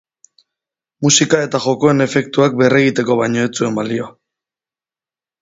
Musika eta jokoen efektuak berregiteko baino ez zuen balio.